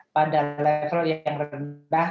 pada level yang rendah